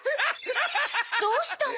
どうしたの？